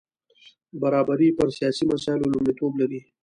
برابري پر سیاسي مسایلو لومړیتوب لري.